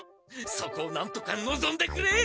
そこをなんとかのぞんでくれ！